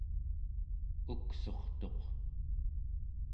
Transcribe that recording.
uksurtuq